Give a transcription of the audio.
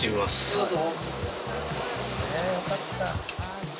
どうぞ。